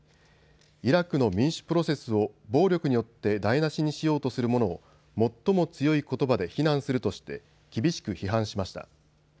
イラクの民主プロセスを暴力によって台なしにしようとする者を最も強いことばで非難するとして厳しく批判しました。